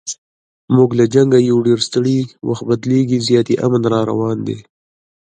موږ له جنګه یو ډېر ستړي، وخت بدلیږي زیاتي امن را روان دی